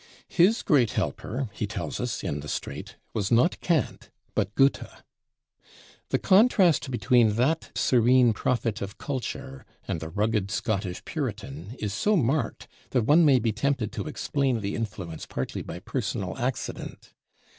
His great helper, he tells us, in the strait, was not Kant but Goethe. The contrast between that serene prophet of culture and the rugged Scottish Puritan is so marked that one may be tempted to explain the influence partly by personal accident.